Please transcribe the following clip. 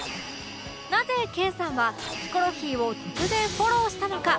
なぜ研さんはヒコロヒーを突然フォローしたのか